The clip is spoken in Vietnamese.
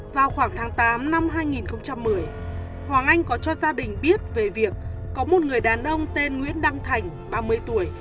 vào khoảng tháng tám năm hai nghìn một mươi hoàng anh có cho gia đình biết về việc có một người đàn ông tên nguyễn đăng thành ba mươi tuổi